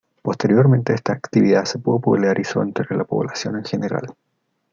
Posteriormente esta actividad se popularizó entre la población en general.